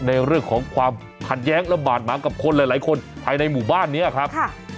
ในเรื่องของความขัดแย้งและบาดหมางกับคนหลายคนภายในหมู่บ้านนี้ครับ